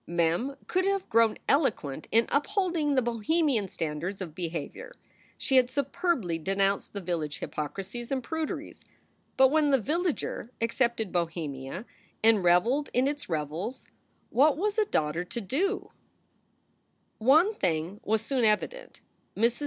Mem could have grown eloquent in upholding the bohemian standards of behavior; she had superbly denounced the village hypocrisies and pruderies. But when the villager accepted bohemia and reveled in its revels, what was a daughter to do? 222 SOULS FOR SALE One thing was soon evident. Mrs.